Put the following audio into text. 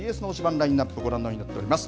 ラインナップ、ご覧のようになっております。